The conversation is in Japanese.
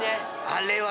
あれは。